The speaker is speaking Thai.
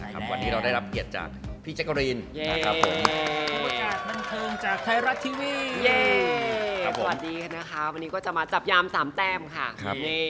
สวัสดีครับวันนี้จะมาจับยาม๓แต้มนะคะ